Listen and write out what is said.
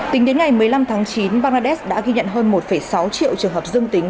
tính đến ngày một mươi năm tháng chín bangladesh đã ghi nhận hơn một sáu triệu trường hợp dương tính